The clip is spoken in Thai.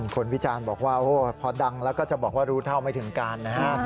ขนพี่จานบอกว่าโอ้พอดังแล้วก็จะบอกว่ารู้เท่าไม่ถึงการ